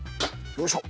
よいしょ！